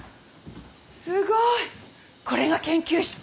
すごい！これが研究室？